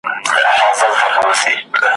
د تعلیم پر ضد ښکنځل او پوچ ویل وه ,